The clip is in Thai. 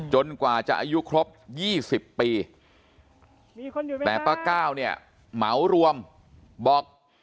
กว่าจะอายุครบ๒๐ปีแต่ป้าก้าวเนี่ยเหมารวมบอก